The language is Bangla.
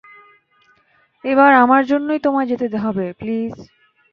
এবার আমার জন্যই তোমায় যেতে হবে, প্লিজ।